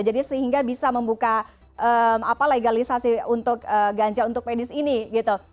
jadi sehingga bisa membuka legalisasi untuk ganja untuk medis ini gitu